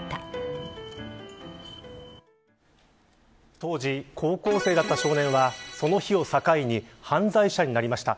当時、高校生だった少年はその日を境に犯罪者になりました。